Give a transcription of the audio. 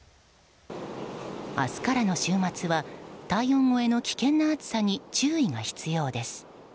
明日からの週末は体温超えの危険な暑さに注意が必要です。